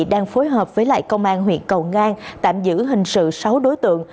đang phối hợp với lại công an huyện cầu ngang tạm giữ hình sự sáu đối tượng